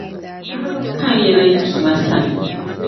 Kahigibu kan ya na yi Duuma sani.